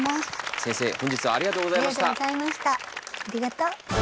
先生本日はありがとうございました。